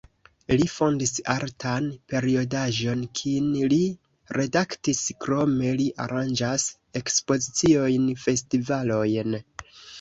Li fondis artan periodaĵon, kin li redaktis, krome li aranĝas ekspoziciojn, festivalojn.